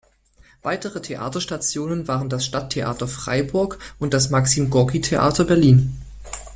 Weitere Theaterstationen waren das Stadttheater Freiburg und das Maxim-Gorki-Theater Berlin.